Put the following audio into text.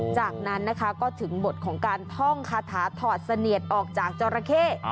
จากนั้นนะคะก็ถึงบทของการท่องคาถาถอดเสนียดออกจากจราเข้